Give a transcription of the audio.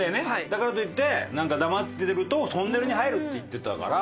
だからといってなんか黙ってると「トンネルに入る」って言ってたから。